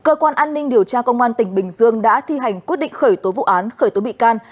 cơ quan an ninh điều tra công an tỉnh bình dương đã thi hành quyết định khởi tố vụ án khởi tố bị can